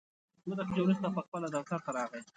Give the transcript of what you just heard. څو دقیقې وروسته پخپله دفتر ته راغی.